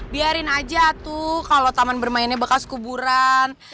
biarin aja tuh kalau taman bermainnya bekas kuburan